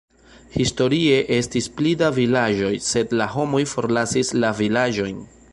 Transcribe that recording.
Historie estis pli da vilaĝoj, sed la homoj forlasis la vilaĝojn.